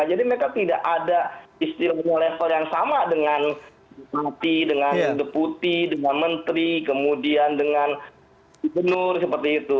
jadi mereka tidak ada istilahnya level yang sama dengan deputi dengan menteri kemudian dengan penur seperti itu